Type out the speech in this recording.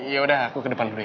yaudah aku ke depan dulu ya